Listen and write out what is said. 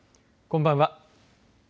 こんばんは。